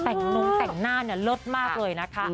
แต่งนี้แต่งหน้ารสมากเลยนะคะ